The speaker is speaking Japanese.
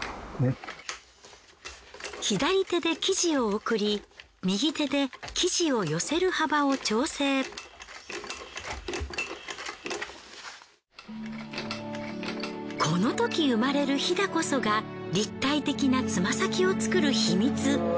左手で生地を送り右手でこのとき生まれるヒダこそが立体的なつま先を作る秘密。